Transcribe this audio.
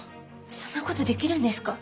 そんなことできるんですか？